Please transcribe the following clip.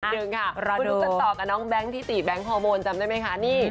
มึงรู้จันต่อกับน้องแบงค์ที่ตีแบงค์ฮอร์โมนจำได้มั้ยคะ